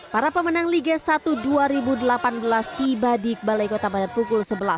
para pemenang liga satu dua ribu delapan belas tiba di balai kota pada pukul sebelas